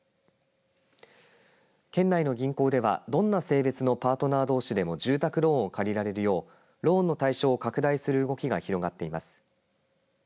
県内の銀行では、どんな性別のパートナーどうしでも住宅ローンを借りられるようローンの対象を拡大する動きが広がっています。